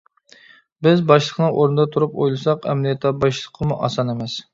بىز باشلىقنىڭ ئورنىدا تۇرۇپ ئويلىساق ئەمەلىيەتتە باشلىققىمۇ ئاسان ئەمەس.